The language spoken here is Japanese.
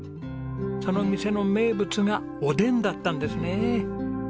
その店の名物がおでんだったんですね。